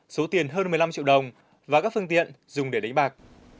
số tiền hơn một mươi năm triệu đồng và các phương tiện dùng để đánh bạc